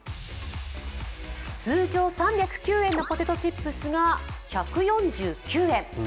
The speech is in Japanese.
通常３０９円のポテトチップスが１４９円。